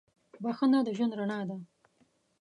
• بخښنه د ژوند رڼا ده.